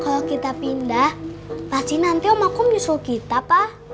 kalau kita pindah tachi nanti om aku nyusul kita pak